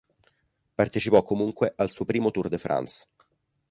Partecipò comunque al suo primo Tour de France.